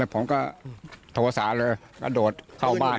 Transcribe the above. ผมก็โทรศาเลยกระโดดเข้าบ้าน